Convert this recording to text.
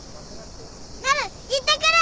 なる行ってくる！